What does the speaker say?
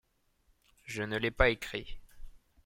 Je ne l'ai pas écrit.